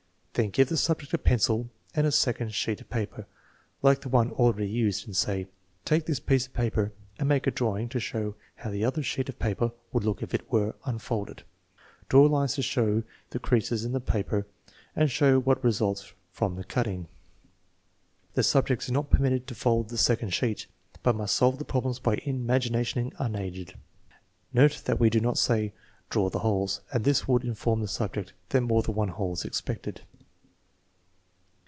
Then give the subject a pencil and a second sheet of paper like SUPERIOR ADULT, 2 339 s the one already used and say: "Talce this piece of paper and make a drawing to show how the other sheet of paper would look if it were unfolded. Draw lines to show the creases in the paper and show what results from the cutting" The subject is not permitted to fold the second sheet, but must solve the problem by the imagination unaided. Note that we do not say, "Draw the holes," as this would inform the subject that more than one hole is expected.